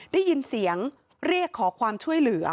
ได้ยินเสียงเรียกขอความช่วยเหลือ